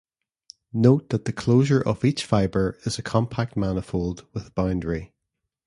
Note that the closure of each fiber is a compact manifold with boundary.